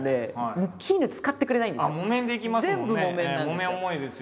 木綿重いですよ。